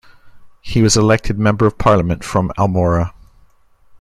He was elected Member of Parliament from Almora.